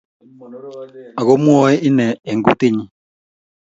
Ago mwaei ine eng kutinyi